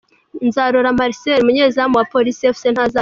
Nzarora Marcel umunyezamu wa Police Fc ntazakina .